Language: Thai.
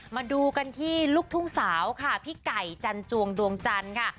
มาดูกันที่ลูกทุ่งสาวค่ะพี่ไก่จันจวงดวงจันทร์ค่ะ